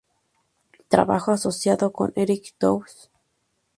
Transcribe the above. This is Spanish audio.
Trabajó asociado con Enric Tous.